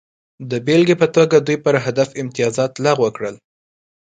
د بېلګې په توګه دوی پر هدف امتیازات لغوه کړل